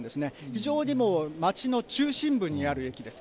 非常にもう、街の中心部にある駅です。